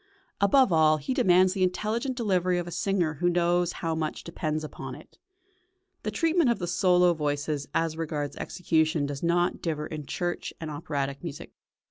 Above all, he demands the intelligent delivery of a singer who knows how much depends upon it. The treatment of the solo voices as regards execution does not differ in church and operatic music.